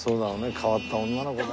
変わった女の子だ。